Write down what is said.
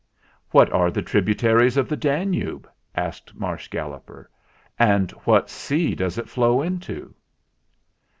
"What are the tributaries of the Danube?" asked Marsh Galloper. "And what sea does it flow into?"